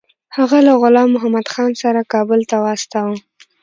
هغه له غلام محمدخان سره کابل ته واستاوه.